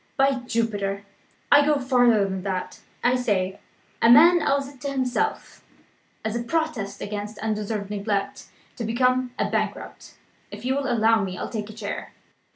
By Jupiter, I go farther than that! I say, a man owes it to himself (as a protest against undeserved neglect) to become a bankrupt. If you will allow me, I'll take a chair."